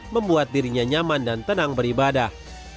membuat dirinya nyaman dan tenang beribadah